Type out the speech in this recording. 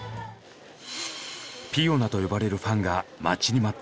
「ピオナ」と呼ばれるファンが待ちに待った瞬間。